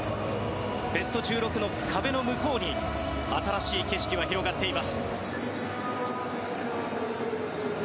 ベスト１６の壁の向こうに新しい景色は広がっています。